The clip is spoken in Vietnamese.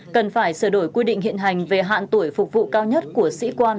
cần phải sửa đổi quy định hiện hành về hạn tuổi phục vụ cao nhất của sĩ quan